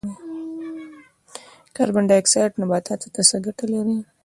کاربن ډای اکسایډ نباتاتو ته څه ګټه لري؟